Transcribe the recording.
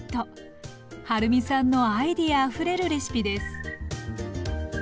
はるみさんのアイデアあふれるレシピです。